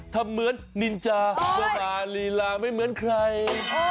ทำเหมือนนินจาโวนาลีลาไม่เหมือนใคร